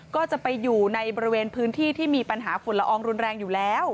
ก็จะไปอยู่ในบริเวณพื้นที่ที่มีปัญหาฝุ่นละอองรุนแรงอยู่แล้ว